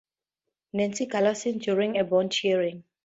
Nancy Galassini during a bond hearing.